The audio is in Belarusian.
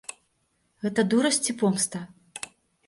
Гэта дурасць ці помста?